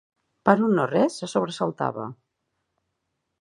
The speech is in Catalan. Per un no res se sobresaltava.